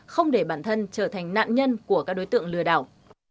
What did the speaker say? không để bản thân trở thành nạn nhân của các đối tượng lừa đảo